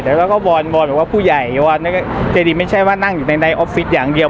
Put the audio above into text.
แล้วก็วอนวอนบอกว่าผู้ใหญ่วอนเจดีไม่ใช่ว่านั่งอยู่ในออฟฟิศอย่างเดียว